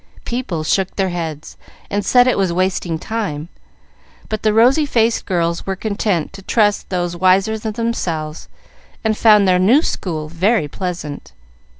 People shook their heads, and said it was wasting time; but the rosy faced girls were content to trust those wiser than themselves, and found their new school very pleasant.